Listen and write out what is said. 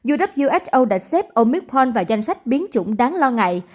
uwho đã xếp omicron vào danh sách biến chủng đáng lo ngại